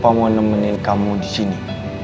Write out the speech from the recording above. opah mau nemenin kamu disini